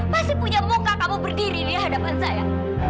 masih punya muka kamu berdiri di hadapan saya